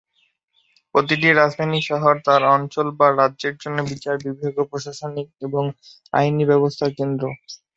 প্রতিটি রাজধানী শহর তার অঞ্চল বা রাজ্যের জন্য বিচার বিভাগীয়, প্রশাসনিক এবং আইনি ব্যবস্থার কেন্দ্র।